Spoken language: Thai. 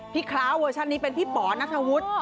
พี่เคล้าเวอร์ชั่นนี้เป็นพี่ป๋อนัฐวุษย์